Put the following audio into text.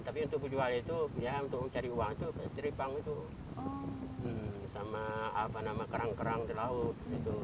tapi untuk dijual itu untuk mencari uang itu dari bank itu sama kerang kerang di laut